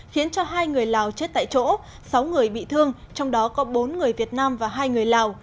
khiến cho hai người lào chết tại chỗ sáu người bị thương trong đó có bốn người việt nam và hai người lào